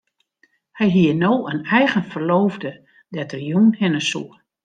Hy hie no in eigen ferloofde dêr't er jûn hinne soe.